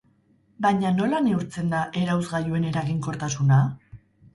Baina nola neurtzen da erauzgailuen eraginkortasuna?